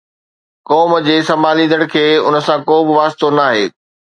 قوم جي سنڀاليندڙ کي ان سان ڪو به واسطو ناهي